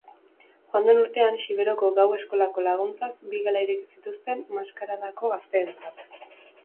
Joan den urtean, Xiberoko Gau Eskolako laguntzaz, bi gela ireki zituzten maskaradako gazteentzat.